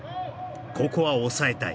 ここは抑えたい